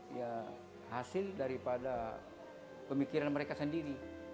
ya hasil daripada pemikiran mereka sendiri